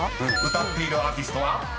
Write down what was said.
［歌っているアーティストは？］